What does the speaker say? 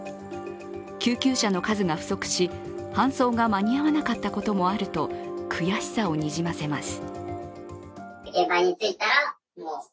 救急車の数が不足し搬送が間に合わなかったこともあると悔しさをにじませます。